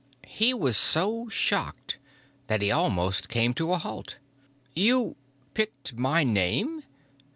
He was so shocked that he almost came to a halt. "You picked my name?